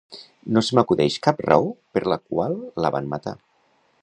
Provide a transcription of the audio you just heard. No se m'acudeix cap raó per la qual la van matar.